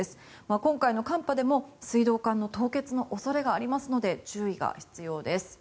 今回の寒波でも水道管の凍結の恐れがありますので注意が必要です。